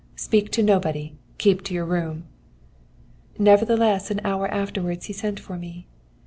Speak to nobody. Keep your room!' "Nevertheless, an hour afterwards he sent for me.